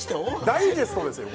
ダイジェストですよ